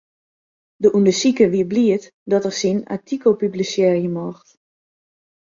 De ûndersiker wie bliid dat er syn artikel publisearje mocht.